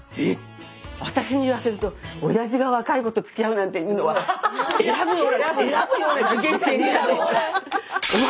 私に言わせるとおやじが若い子とつきあうなんていうのは選ぶような次元じゃない。